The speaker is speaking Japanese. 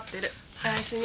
おやすみ。